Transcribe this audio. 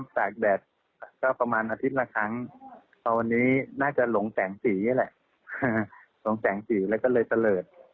ส่งแสงสื่อแล้วก็เลยเตลิด